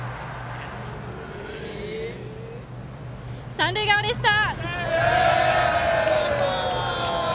三塁側でした。